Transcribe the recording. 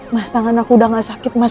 mas tangan aku udah gak sakit mas